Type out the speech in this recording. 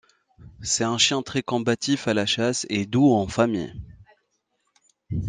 C'est un chien très combatif à la chasse et doux en famille.